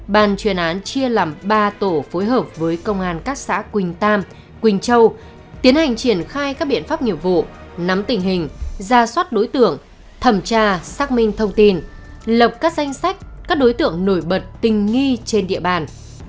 bàn chuyên án chia làm ba tổ phối hợp với công an các xã quỳnh tam quỳnh châu tiến hành triển khai các biện pháp nghiệp vụ nắm tình hình ra soát đối tượng thẩm tra xác minh thông tin lập các danh sách các đối tượng nổi bật tình nghi trên địa bàn